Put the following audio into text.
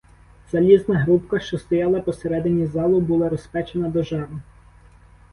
Залізна грубка, що стояла посередині залі, була розпечена до жару.